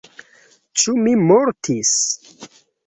Ĉu mi mortis?